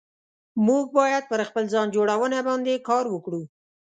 موږ بايد پر خپل ځان جوړونه باندي کار وکړو